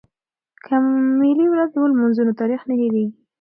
که ملي ورځ ولمانځو نو تاریخ نه هیریږي.